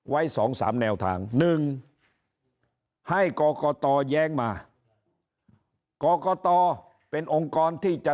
ไว้สองสามแนวทาง๑ให้ก็พอยมาก็เป็นองค์กรที่จะ